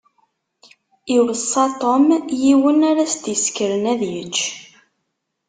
Iweṣṣa Tom yiwen ara s-d-isekren ad yečč.